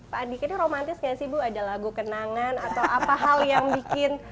pak andika ini romantis nggak sih bu ada lagu kenangan atau apa hal yang bikin